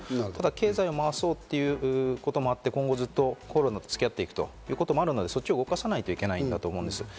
経済を回そうということもあって、今後ずっとコロナとつき合っていくということもあるので、そっちを動かさないといけないと思うんです。